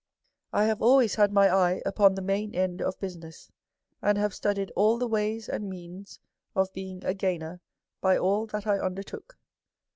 I have always had my eye upon the main end of business, and have studied all the ways and means of being a gainer by all that 1 undertook.